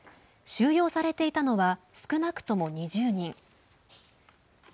収容されていたのは少なくとも２０人。